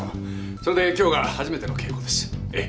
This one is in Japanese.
それで今日が初めての稽古です。